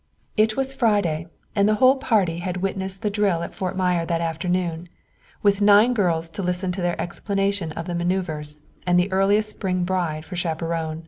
It was Friday, and the whole party had witnessed the drill at Fort Myer that afternoon, with nine girls to listen to their explanation of the manoeuvers and the earliest spring bride for chaperon.